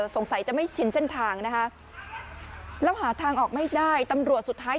สงสัยจะไม่ชินเส้นทางนะคะแล้วหาทางออกไม่ได้ตำรวจสุดท้าย